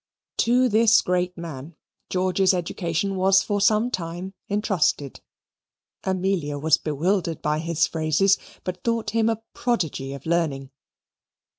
To this great man George's education was for some time entrusted. Amelia was bewildered by his phrases, but thought him a prodigy of learning.